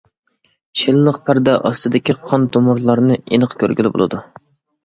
شىللىق پەردە ئاستىدىكى قان تومۇرلارنى ئېنىق كۆرگىلى بولىدۇ.